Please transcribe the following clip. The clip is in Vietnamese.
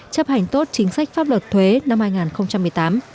chấp hành tốt chính sách pháp luật thuế năm hai nghìn một mươi tám